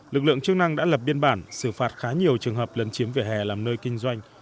lực lượng chức năng đã lập biên bản xử phạt khá nhiều trường hợp lấn chiếm vỉa hè làm nơi kinh doanh